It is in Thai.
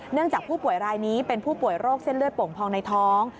จากผู้ป่วยรายนี้เป็นผู้ป่วยโรคเส้นเลือดโป่งพองในท้อง